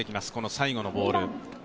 最後のボール。